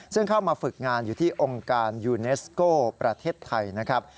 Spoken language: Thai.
ซึ่งเข้ามาฝึกงานอยู่ที่องค์การยูเนสโก้ประเทศไทยนะครับ